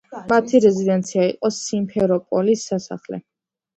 მათი რეზიდენცია იყო სიმფეროპოლის სასახლე.